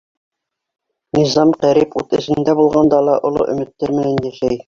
Низам Ҡәрип ут эсендә булғанда ла оло өмөттәр менән йәшәй.